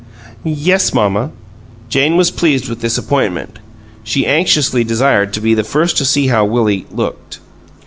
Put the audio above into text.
"Yes, mamma." Jane was pleased with this appointment; she anxiously desired to be the first to see how Willie "looked."